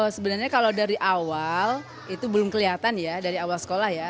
sebenarnya kalau dari awal itu belum kelihatan ya dari awal sekolah ya